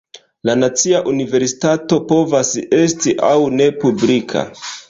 La "nacia universitato" povas esti aŭ ne publika.